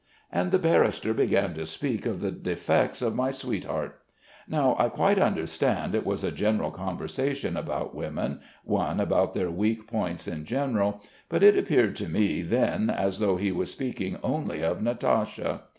"And the barrister began to speak of the defects of my sweetheart. Now I quite understand it was a general conversation about women, one about their weak points in general; but it appeared to me then as though he was speaking only of Natasha.